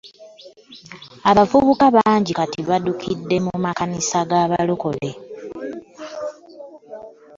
Abavubuka bangi kati baddukidde mu makanisa g'abalokole.